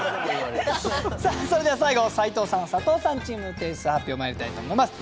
さあそれでは最後斎藤さん佐藤さんチーム点数発表まいりたいと思います。